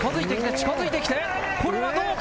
近づいてきて、これはどうか？